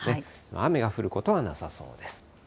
雨が降ることはなさそうです。